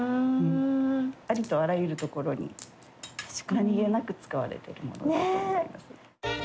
ありとあらゆるところに何気なく使われているものだと思います。